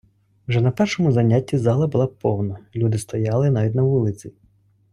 Вже на першому занятті зала була повна, люди стояли навіть на вулиці.